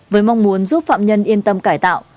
với mong muốn giúp phạm nhân yên tâm cải tạo